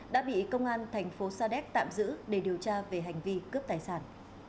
đã bị công an thành phố sa đéc tạm giữ để điều tra về hành vi cướp tài sản